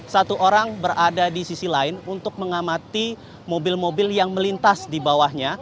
satu orang berada di sisi lain untuk mengamati mobil mobil yang melintas di bawahnya